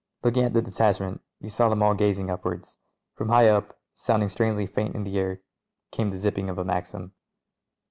Looking at the detachment, he saw them all gazing upwards. From high up, sounding strangely faint in the air, came the zipping of a Maxim.